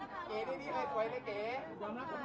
ไม่ได้หยัดแล้วนะ